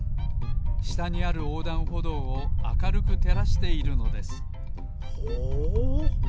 したにあるおうだんほどうをあかるくてらしているのですほう。